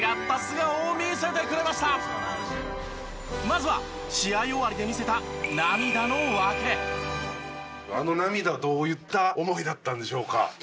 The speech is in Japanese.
まずは試合終わりで見せたあの涙はどういった思いだったのでしょうか？